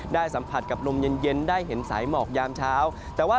สัมผัสกับลมเย็นได้เห็นสายหมอกยามเช้าแต่ว่า